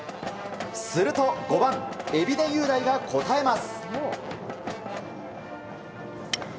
すると５番、海老根優大が応えます。